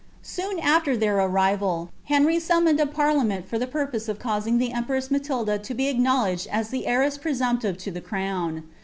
Soon after iheir arrival, Uenry Gummoned a pariiaoteiit for the purpose of causing the empreis Matilda to be ofknowledgiil as tlic heite»s preeiunptive to the crown.